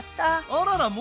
あららもう？